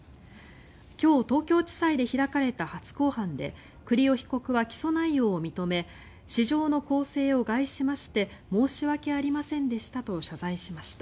今日、東京地裁で開かれた初公判で栗尾被告は起訴内容を認め市場の公正を害しまして申し訳ありませんでしたと謝罪しました。